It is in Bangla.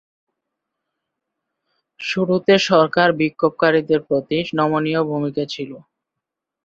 শুরুতে সরকার বিক্ষোভকারীদের প্রতি নমনীয় ভূমিকায় ছিল।